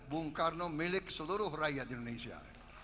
bung karno milik seluruh rakyat indonesia